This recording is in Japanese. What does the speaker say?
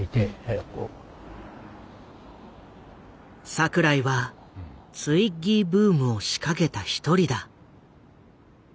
櫻井はツイッギーブームを仕掛けた一人だ。